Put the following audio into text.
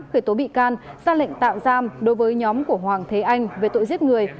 khởi tố bị can ra lệnh tạm giam đối với nhóm của hoàng thế anh về tội giết người